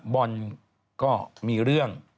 บอลก็มีเรื่อง